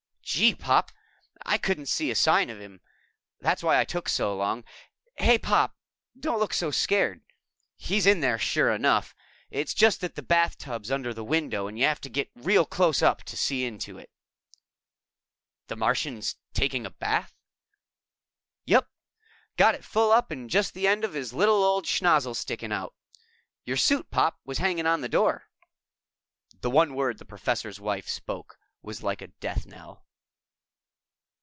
"Gee, Pop, I couldn't see a sign of him. That's why I took so long. Hey, Pop, don't look so scared. He's in there, sure enough. It's just that the bathtub's under the window and you have to get real close up to see into it." "The Martian's taking a bath?" "Yep. Got it full up and just the end of his little old schnozzle sticking out. Your suit, Pop, was hanging on the door." The one word the Professor's Wife spoke was like a death knell.